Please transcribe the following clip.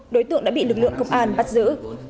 đối tượng đã bị lực lượng công an bắt giữ